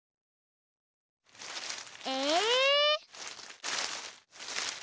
え？